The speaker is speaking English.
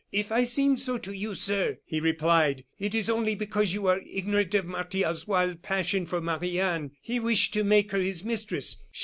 "If I seem so to you, sir," he replied, "it is only because you are ignorant of Martial's wild passion for Marie Anne. He wished to make her his mistress.